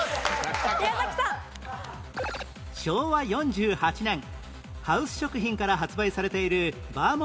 昭和４８年ハウス食品から発売されている食いしん坊諸君！